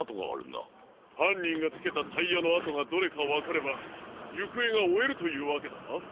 はんにんがつけたタイヤのあとがどれかわかればゆくえがおえるというわけだな。